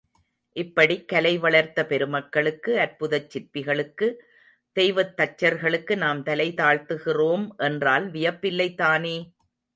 இப்படிக் கலை வளர்த்த பெருமக்களுக்கு, அற்புதச் சிற்பிகளுக்கு, தெய்வத் தச்சர்களுக்கு நாம் தலை தாழ்த்துகிறோம் என்றால் வியப்பில்லைதானே!